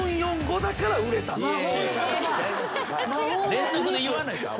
連続で言わないです。